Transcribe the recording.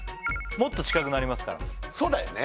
もっと近くなりますからそうだよね